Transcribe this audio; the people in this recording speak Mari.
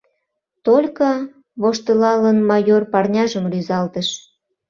Только... — воштылалын, майор парняжым рӱзалтыш.